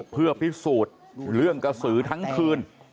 เพื่อพิสูจน์เรื่องกระสือทั้งคืน